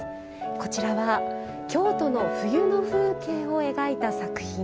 こちら京都の冬の風景を描いた作品。